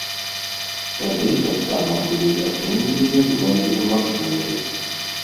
Тады таксама былі адмененыя многія маршруты.